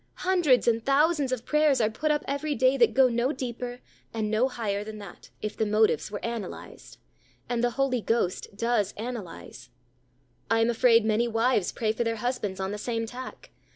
_ Hundreds and thousands of prayers are put up every day that go no deeper and no higher than that, if the motives were analyzed and the Holy Ghost does analyze. I am afraid many wives pray for their husbands on the same tack.